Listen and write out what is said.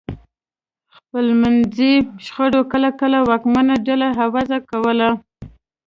خپلمنځي شخړې کله کله واکمنه ډله عوض کوله